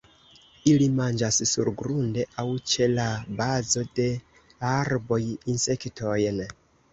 Ili manĝas surgrunde aŭ ĉe la bazo de arboj insektojn.